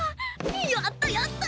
やったやった！